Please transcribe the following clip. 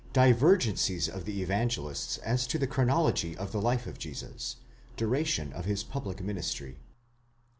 DIVERGENCIES OF THE EVANGELISTS AS TO THE CHRONOLOGY OF THE LIFE OF JESUS. DURATION OF HIS PUBLIC MINISTRY.